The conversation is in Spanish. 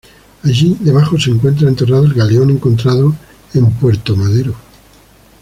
Allí debajo se encuentra enterrado el galeón encontrado en Puerto Madero.